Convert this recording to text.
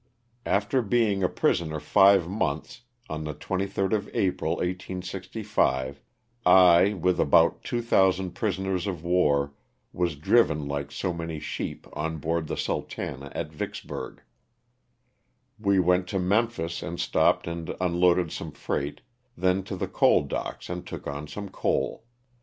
After being a prisoner five months, on the 23d of April, 1865, I, with about 2,000 prisoners of war, was driven like so many sheep on board the " Sultana" at Vicksburg. We went to Memphis and stopped and unloaded some freight, then to the coal docks and took on some coal.